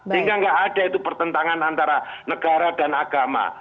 sehingga tidak ada pertentangan antara negara dan agama